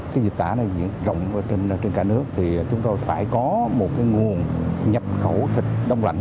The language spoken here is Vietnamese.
cái dịch tả này diện rộng trên cả nước thì chúng tôi phải có một cái nguồn nhập khẩu thịt đông lạnh